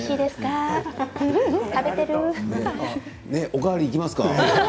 お代わりいきますか？